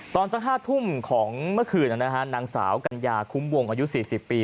ตอนสักห้าทุ่มของเมื่อคืนนะฮะนางสาวกัญญาคุ้มวงอายุสี่สิบปี